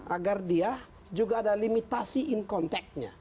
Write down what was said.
agar dia juga ada limitasi in contactnya